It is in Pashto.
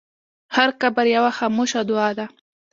هر قبر یوه خاموشه دعا ده.